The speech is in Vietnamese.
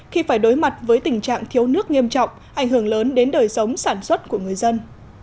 khi phải đối mặt với tình trạng thiếu nước nghiêm trọng ảnh hưởng lớn đến đời sống sản xuất của người dân